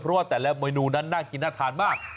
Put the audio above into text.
เพราะว่าแต่ละเมนูนั้นน่ากินน่าทานมาก